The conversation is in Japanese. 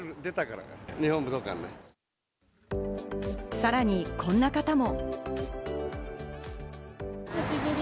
さらにこんな人も。